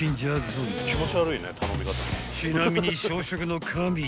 ［ちなみに］